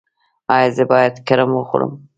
ایا زه باید کرم وخورم؟